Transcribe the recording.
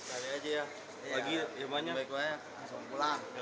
apa aja sih egy lakuin selama disana